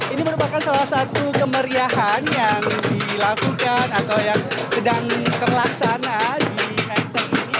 ini merupakan salah satu kemeriahan yang dilakukan atau yang sedang terlaksana di menteng ini